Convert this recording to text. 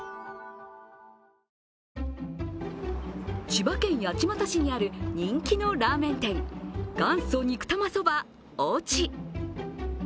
千葉県八街市にある人気のラーメン店元祖肉玉そば越智。